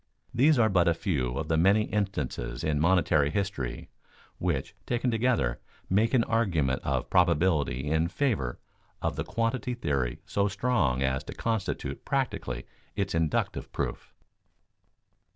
These are but a few of many instances in monetary history which, taken together, make an argument of probability in favor of the quantity theory so strong as to constitute practically its inductive proof.